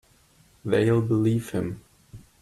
They'll believe him.